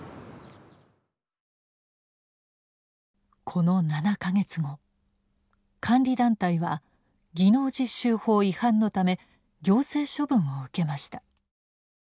この７か月後監理団体は技能実習法違反のため行政処分を受けました。